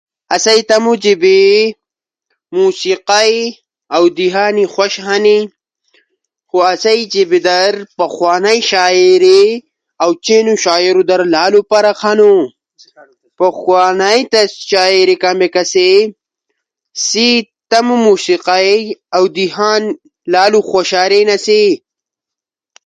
کوئی تمو جیبے در موسیقئی اؤ دیہانی خوش ہنی، خو آسئی جیب در پخوانئی شاعری اؤ چینو شاعری در لالو فرق ہنو۔ پخوانئی طرز شاعر کامیک آسی سی تمو موسیقئی اؤ دیہان لالو خوشاریناسی۔